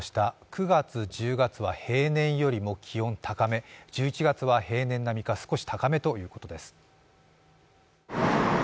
９月、１０月は平年よりも気温高め、１１月は平年並みか少し高めということです。